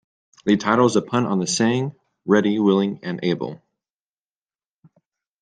The title is a pun on the saying, Ready, willing, and able.